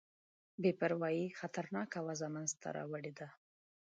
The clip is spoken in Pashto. بې پروايي خطرناکه وضع منځته راوړې ده.